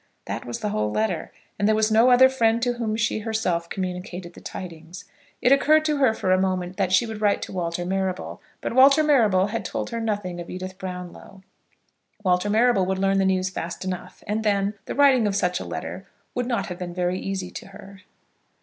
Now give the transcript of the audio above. That was the whole letter, and there was no other friend to whom she herself communicated the tidings. It occurred to her for a moment that she would write to Walter Marrable; but Walter Marrable had told her nothing of Edith Brownlow. Walter Marrable would learn the news fast enough. And then, the writing of such a letter would not have been very easy to her.